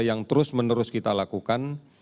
yang terus menerus kita lakukan